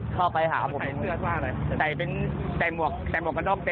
เข้าไปที่เคาเตอร์เลยครับพี่